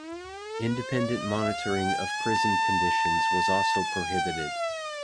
Independent monitoring of prison conditions was also prohibited.